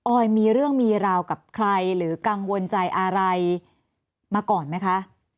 อยมีเรื่องมีราวกับใครหรือกังวลใจอะไรมาก่อนไหมคะ